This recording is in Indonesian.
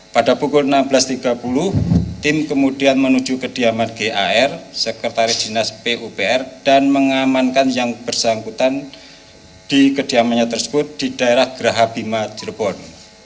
pada pukul enam belas tiga puluh tim kemudian menuju kediaman gar sekretaris dinas pupr dan mengamankan yang bersangkutan di kediamannya tersebut di daerah geraha bima cirebon